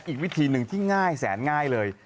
อีกวิธีหนึ่งที่ง่ายแสนง่ายเลย